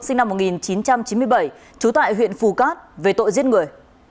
sinh năm một nghìn chín trăm chín mươi bảy trú tại huyện phù cát về tội giết người